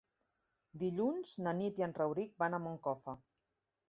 Dilluns na Nit i en Rauric van a Moncofa.